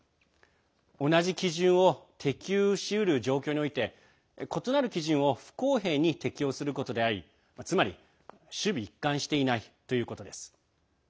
同じ基準を適用しうる状況において異なる基準を不公平に適用することでありつまり、首尾一貫していないということです。